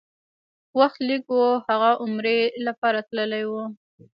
وخت لږ و، هغه عمرې لپاره تللی و.